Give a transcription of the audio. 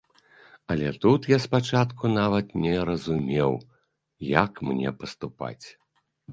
Але тут я спачатку нават не разумеў, як мне паступаць.